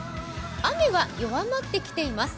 雨は弱まってきています。